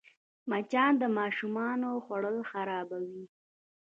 مچان د ماشومانو خوړ خرابوي